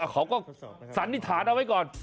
สันนิษฐานเอาไว้ก่อน